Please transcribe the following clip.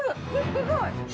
すごい！